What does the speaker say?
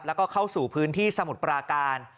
แล้วก็เข้าสู่พื้นที่สมุทรปราการ